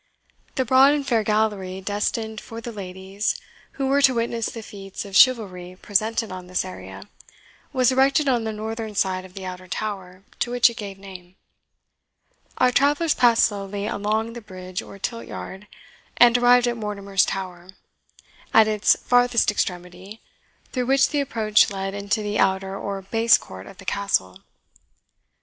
The broad and fair gallery, destined for the ladies who were to witness the feats of chivalry presented on this area, was erected on the northern side of the outer tower, to which it gave name. Our travellers passed slowly along the bridge or tilt yard, and arrived at Mortimer's Tower, at its farthest extremity, through which the approach led into the outer or base court of the Castle.